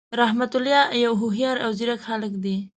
رحمت الله یو هوښیار او ځیرک هللک دی.